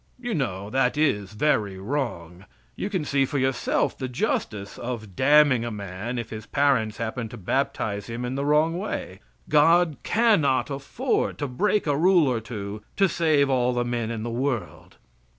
You know that is very wrong. You can see for yourself the justice of damning a man if his parents happened to baptize him in the wrong way God cannot afford to break a rule or two to save all the men in the world.